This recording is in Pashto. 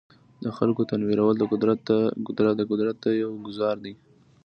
د خلکو تنویرول د قدرت ته یو ګوزار دی.